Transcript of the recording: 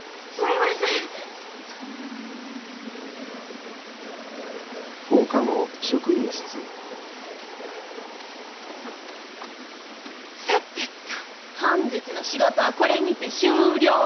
さてと本日の仕事はこれにて終了！